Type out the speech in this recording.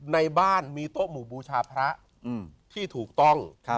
ในบ้านมีโต๊ะหมู่บูชาพระที่ถูกต้อง